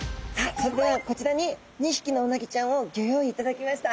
それではこちらに２匹のうなぎちゃんをギョ用意いただきました。